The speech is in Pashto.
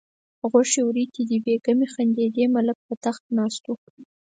غوښې وریتېدې بیګمې خندېدې ملکه په تخت ناسته وه.